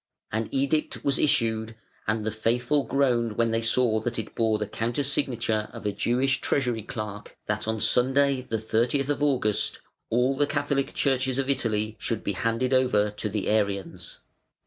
An edict was issued and the faithful groaned when they saw that it bore the counter signature of a Jewish Treasury clerk that on Sunday the 30th of August all the Catholic churches of Italy should be handed over to the Arians.